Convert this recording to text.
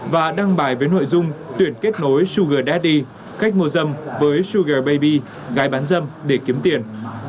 phải với nội dung tuyển kết nối sugar daddy khách mua dâm với sugar baby gái bán dâm để kiếm tiền